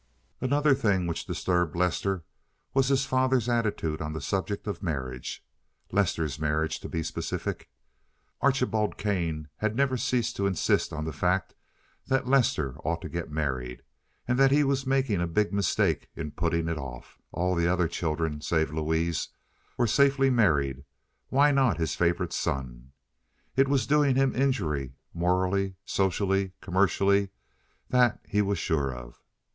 Another thing which disturbed Lester was his father's attitude on the subject of marriage—Lester's marriage, to be specific. Archibald Kane never ceased to insist on the fact that Lester ought to get married, and that he was making a big mistake in putting it off. All the other children, save Louise, were safely married. Why not his favorite son? It was doing him injury morally, socially, commercially, that he was sure of.